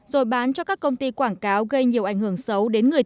rồi bán cho các công ty quảng cáo gây nhiều ảnh hưởng